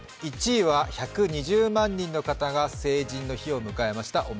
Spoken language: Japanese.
１位は１２０万人の方が成人の日を迎えました。